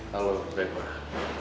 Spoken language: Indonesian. halo baik pak